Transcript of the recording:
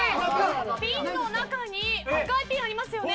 ピンの中に赤いピンがありますよね。